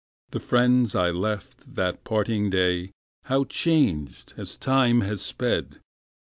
The friends I left that parting day, How changed, as time has sped!